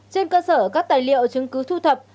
trên cơ sở các tài liệu chứng cứ thuộc